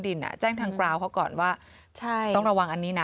ร้องค้าใช่